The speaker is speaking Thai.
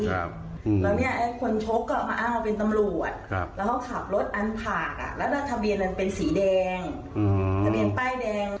แล้วเนี่ยไอ้คนชกก็มาอ้างว่าเป็นตำรวจแล้วเขาขับรถอันผากแล้วทะเบียนมันเป็นสีแดงทะเบียนป้ายแดง